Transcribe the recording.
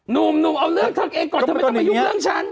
นุ่มนุ่มเอาเรื่องตัวเองก่อนทำไมต้องไปยุ่งเรื่องฉัน